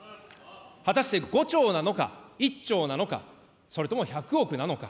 果たして５兆なのか、１兆なのか、それとも１００億なのか。